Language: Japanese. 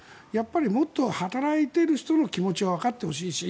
もっと働いている人の気持ちがわかってほしいし